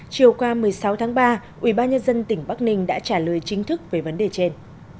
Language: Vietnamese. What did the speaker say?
chiều qua một mươi sáu tháng ba ủy ban nhân dân tỉnh bắc ninh đã trả lời chính thức về vấn đề trên